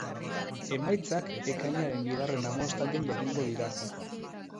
Emaitzak ekainaren bigarren hamabostaldian jakingo dira.